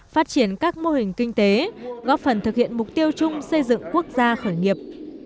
phát triển các mô hình kinh tế góp phần thực hiện mục tiêu chung xây dựng quốc gia khởi nghiệp